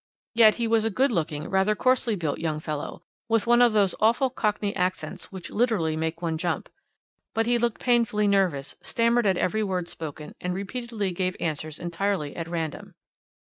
"Yet he was a good looking, rather coarsely built young fellow, with one of those awful Cockney accents which literally make one jump. But he looked painfully nervous, stammered at every word spoken, and repeatedly gave answers entirely at random.